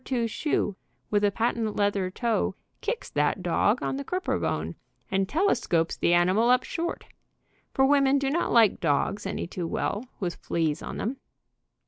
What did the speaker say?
2 shoe, with a patent leather toe, kicks that dog on the crouper bone and telescopes the animal up short, for women do not like dogs any too well, with fleas on them.